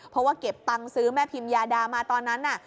เพราะว่าเก็บตังค์ซื้อแม่พิมยาดามาตอนนั้นน่ะ